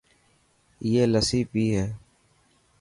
ائي لسي پئي هي.